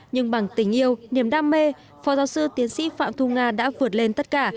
nhưng bằng tình yêu niềm đam mê phó giáo sư tiến sĩ phạm thu nga đã vượt lên tất cả